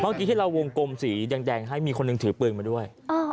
เมื่อกี้ที่เราวงกลมสีแดงให้มีคนหนึ่งถือปืนมาด้วย